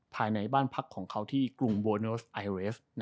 ภายในบ้านพักของเขาที่กรุงโบเนิร์สไอเรส